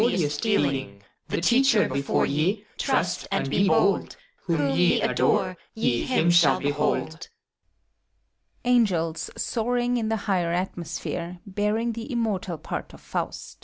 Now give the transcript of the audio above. The Teacher before ye. Trust, and be bold ! Whom ye adore, ye Him shall behold.